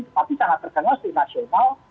tetapi sangat terkenal secara nasional